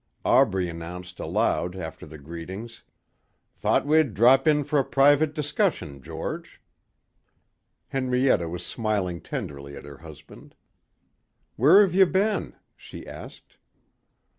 Aubrey announced aloud after the greetings: "Thought we'd drop in for a private discussion, George." Henrietta was smiling tenderly at her husband. "Where have you been?" she asked.